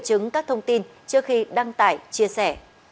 chứng các thông tin trước khi đăng tải chia sẻ